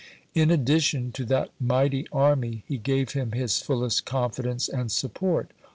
In addition to that mighty army, he gave him his fullest confidence and support.